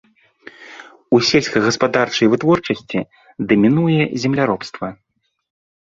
У сельскагаспадарчай вытворчасці дамінуе земляробства.